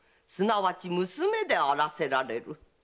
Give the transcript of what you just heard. すなわち娘であらせられる。